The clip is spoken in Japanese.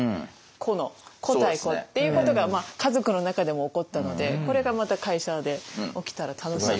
個の個対個っていうことが家族の中でも起こったのでこれがまた会社で起きたら楽しいですよね。